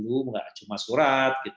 bukan cuma surat gitu